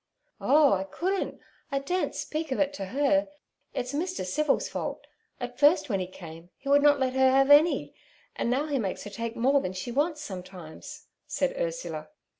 'Oh, I couldn't! I daren't speak of it to her. It's Mr. Civil's fault. At first when he came he would not let her have any, and now he makes her take more than she wants sometimes' said Ursula.